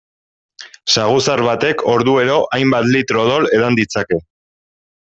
Saguzar batek orduero hainbat litro odol edan ditzake.